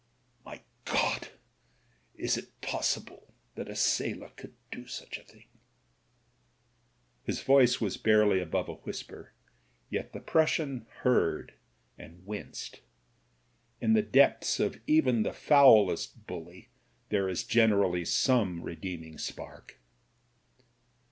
"My God ! Is it possible that a sailor could do such a thing r His voice was barely above a whisper, yet the Prus sian heard and winced. In the depths of even the foulest bully there is generally some little redeeming spark.